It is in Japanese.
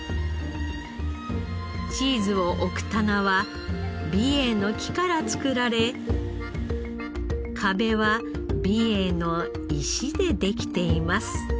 チーズを置く棚は美瑛の木から作られ壁は美瑛の石でできています。